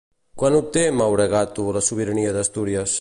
Quan obté Mauregato la sobirania d'Astúries?